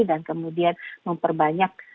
dan kemudian memperbanyak